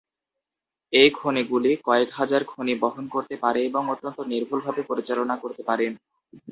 এই খনিগুলি কয়েক হাজার খনি বহন করতে পারে এবং অত্যন্ত নির্ভুলভাবে পরিচালনা করতে পারে।